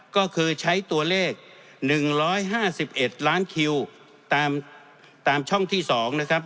ก็คือใช้ตัวเลขหนึ่งร้อยห้าสิบเอ็ดล้านคิวตามตามช่องที่สองนะครับ